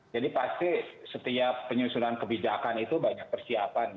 jadi pasti setiap penyusunan kebijakan itu banyak persiapan